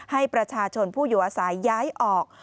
ให้ประชาชนผู้อยู่อาศัยย้ายออก